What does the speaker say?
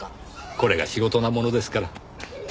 これが仕事なものですから。